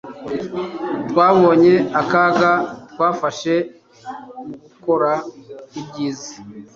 Twabonye akaga twafashe mugukora ibyiza